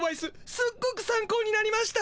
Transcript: すっごくさん考になりました。